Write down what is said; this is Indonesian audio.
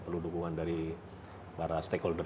perlu dukungan dari para stakeholder